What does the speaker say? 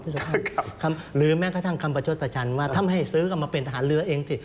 หรือแม้กระทั่งคำประชดประชันว่าถ้าไม่ให้ซื้อก็มาเป็นทหารเรือเองสิ